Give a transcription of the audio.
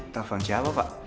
telepon siapa pak